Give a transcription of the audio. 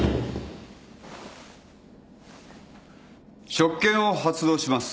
職権を発動します。